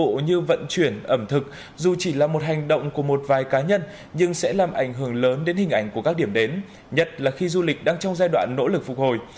dịch vụ như vận chuyển ẩm thực dù chỉ là một hành động của một vài cá nhân nhưng sẽ làm ảnh hưởng lớn đến hình ảnh của các điểm đến nhất là khi du lịch đang trong giai đoạn nỗ lực phục hồi